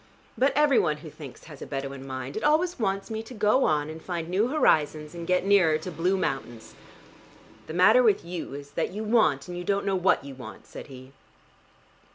"But every one who thinks has a Bedouin mind: it always wants me to go on and find new horizons and get nearer to blue mountains." "The matter with you is that you want and you don't know what you want," said he.